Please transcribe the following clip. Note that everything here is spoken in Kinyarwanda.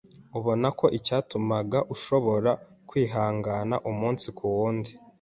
ubona ko icyatumaga ushobora kwihangana umunsi ku wundi